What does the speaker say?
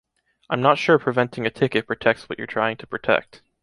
I’m not sure preventing a ticket protects what you’re trying to protect.